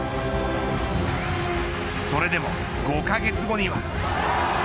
それでも５カ月後には。